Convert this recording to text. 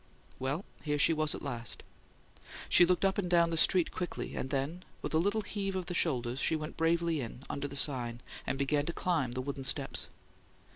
Well, she was here at last! She looked up and down the street quickly, and then, with a little heave of the shoulders, she went bravely in, under the sign, and began to climb the wooden steps.